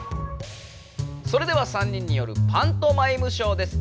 それでは３人によるパントマイムショーです。